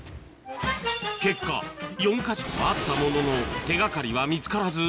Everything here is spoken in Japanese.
結果４か所回ったものの手掛かりは見つからず